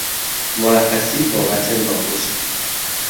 مرخصی بابت ناخوشی